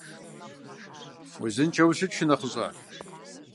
Узыншэу ущыт шынэхъыщӀэ!